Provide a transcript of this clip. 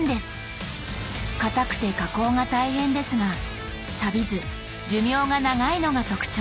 硬くて加工が大変ですがさびず寿命が長いのが特徴。